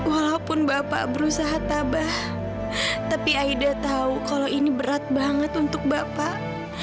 walaupun bapak berusaha tabah tapi aida tahu kalau ini berat banget untuk bapak